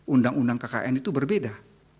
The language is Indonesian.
undang undang kkn itu berbeda